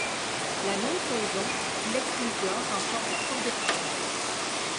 La même saison, l'Excelsior remporte la coupe de France.